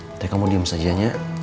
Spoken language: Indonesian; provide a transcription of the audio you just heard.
nanti kamu diam saja nek